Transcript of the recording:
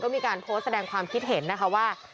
มีการโพสต์แสดงความคิดเห็นนะคะว่า